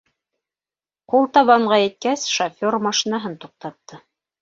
Ҡултабанға еткәс, шофёр машинаһын туҡтатты.